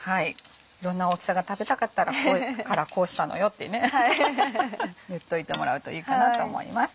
「いろんな大きさが食べたかったからこうしたのよ！」って言っといてもらうといいかなと思います。